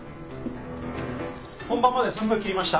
本番まで３分切りました。